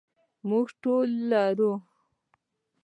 موږ ټول لرو.